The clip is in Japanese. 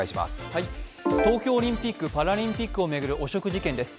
東京オリンピック・パラリンピックを巡る汚職事件です。